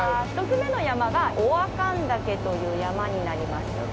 １つ目の山が雄阿寒岳という山になります。